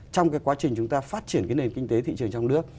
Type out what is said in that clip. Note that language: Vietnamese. trong cái quá trình chúng ta phát triển cái nền kinh tế thị trường trong nước